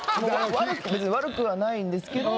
別に悪くはないんですけど。